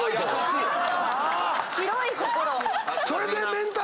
広い心。